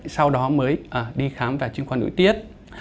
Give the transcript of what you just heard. sau đó mới đi khám về chim khoa nổi tiếng